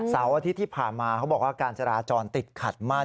เสาร์อาทิตย์ที่ผ่านมาเขาบอกว่าการจราจรติดขัดมาก